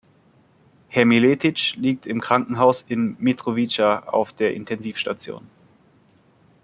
Herr Miletic liegt im Krankenhaus in Mitrovica auf der Intensivstation.